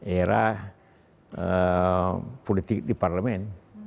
era politik di parlemen